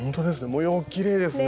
模様がきれいですね。